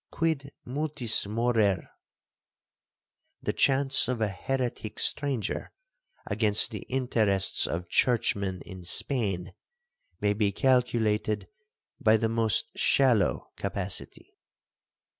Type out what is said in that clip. Quid multis morer? The chance of a heretic stranger, against the interests of churchmen in Spain, may be calculated by the most shallow capacity.